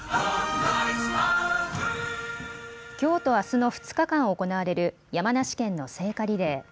きょうとあすの２日間行われる山梨県の聖火リレー。